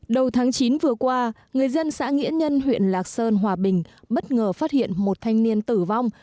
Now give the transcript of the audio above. đầu tháng chín vừa qua người dân xã nghĩa nhân huyện lạc sơn hòa bình bất ngờ phát hiện một thanh niên tử vong